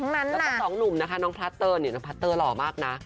แล้วก็สองหนุ่มนะคะน้องพลัสเตอร์เนี่ยน้องพลัสเตอร์หล่อมากนะ